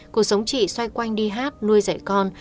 cuộc sống chị xoay quanh đi hát nuôi dạy con